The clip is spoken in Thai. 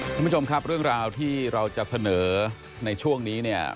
คุณผู้ชมครับเรื่องราวที่เราจะเสนอในช่วงนี้เนี่ย